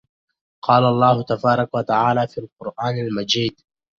قال الله تبارك وتعالى فى القران المجيد: